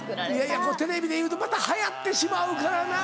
これテレビで言うとまた流行ってしまうからな。